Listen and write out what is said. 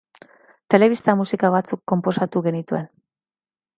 Telebista musika batzu konposatu genituen.